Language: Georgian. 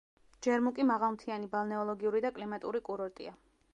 ჯერმუკი მაღალმთიანი ბალნეოლოგიური და კლიმატური კურორტია.